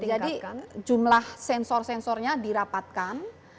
jadi jumlah sensor sensornya dirapatkan